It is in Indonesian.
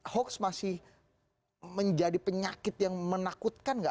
hoax masih menjadi penyakit yang menakutkan nggak